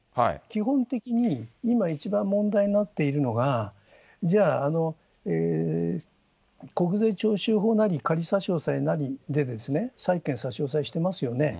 基本的に、今一番問題になっているのが、じゃあ、国税徴収法なり仮差し押さえなりで、債権差し押さえしてますよね。